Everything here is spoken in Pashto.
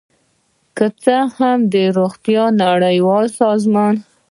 که څه هم د روغتیا نړیوال سازمان